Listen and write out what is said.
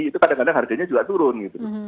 itu kadang kadang harganya juga turun gitu